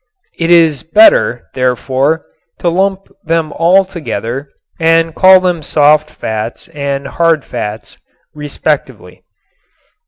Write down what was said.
It is better, therefore, to lump them all together and call them "soft fats" and "hard fats," respectively.